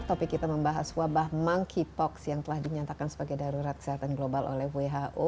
topik kita membahas wabah monkeypox yang telah dinyatakan sebagai darurat kesehatan global oleh who